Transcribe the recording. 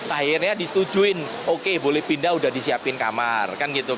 akhirnya disetujui oke boleh pindah sudah disiapkan kamar